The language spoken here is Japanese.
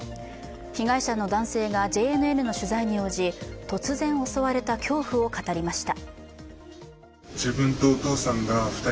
被害者の男性がＪＮＮの取材に応じ突然襲われた恐怖を語りました。